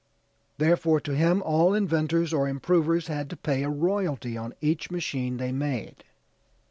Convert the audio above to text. Therefore to him all inventors or improvers had to pay a royalty on each machine they made.